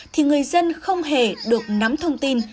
thì người dân không hề được nắm thông tin